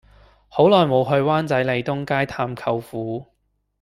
好耐無去灣仔利東街探舅父